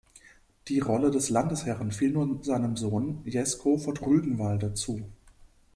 Die Rolle des Landesherren fiel nun seinem Sohn, "Jesko von Rügenwalde", zu.